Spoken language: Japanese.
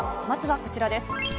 まずはこちらです。